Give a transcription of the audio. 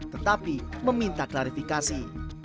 tetapi meminta klarifikasi